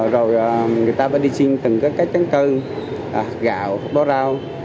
rồi người ta phải đi xin từng cái tráng cơ gạo bó rau